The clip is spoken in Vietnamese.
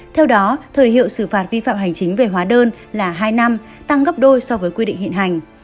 theo đó thời hiệu xử phạt vi phạm hành chính về hóa đơn là hai năm tăng gấp đôi so với quy định hiện hành